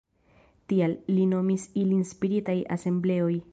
Tial, li nomis ilin "Spiritaj Asembleoj".